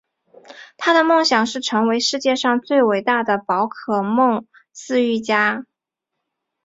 他的梦想是成为世界上最伟大的宝可梦饲育家。